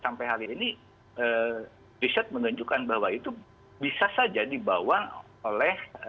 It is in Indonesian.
sampai hari ini riset menunjukkan bahwa itu bisa saja dibawa oleh